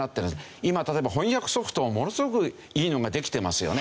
今例えば翻訳ソフトものすごくいいのができてますよね。